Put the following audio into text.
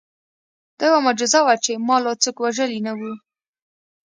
دا یوه معجزه وه چې ما لا څوک وژلي نه وو